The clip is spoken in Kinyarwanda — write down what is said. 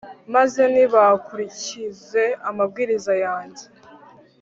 maze ntibakurikize amabwiriza yanjye